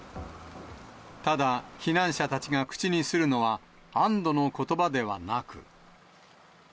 ただ、避難者たちが口にするのは、安どのことばではなく。